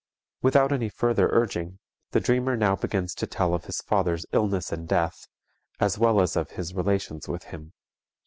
Without any further urging, the dreamer now begins to tell of his father's illness and death as well as of his relations with him.